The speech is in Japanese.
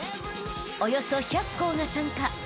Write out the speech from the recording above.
［およそ１００校が参加］